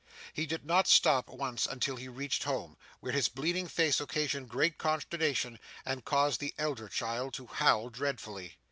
He did not stop once until he reached home, where his bleeding face occasioned great consternation, and caused the elder child to howl dreadfully.